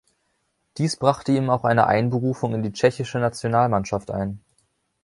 Dies brachte ihm auch eine Einberufung in die Tschechische Nationalmannschaft ein.